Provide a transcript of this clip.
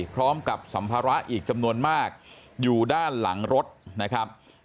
พร้อมกับสัมภาระอีกจำนวนมากอยู่ด้านหลังรถนะครับ